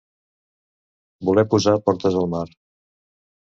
Voler posar portes al mar.